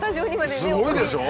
すごいでしょう！